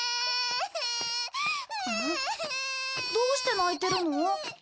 どうして泣いてるの？